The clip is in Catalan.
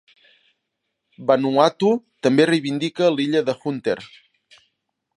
Vanuatu també reivindica l'illa de Hunter.